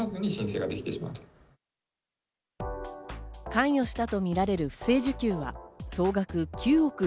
関与したとみられる不正受給は総額９億６０００万円。